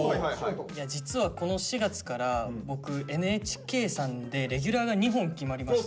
実はこの４月から僕ＮＨＫさんでレギュラーが２本決まりまして。